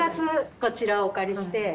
こちらをお借りして。